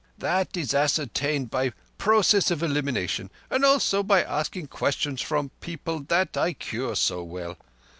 That is ascertained by process of elimination, and also by asking questions from people that I cure so well.